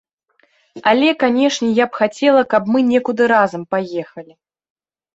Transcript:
Але, канешне, я б хацела, каб мы некуды разам паехалі.